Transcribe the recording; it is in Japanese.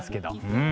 うん。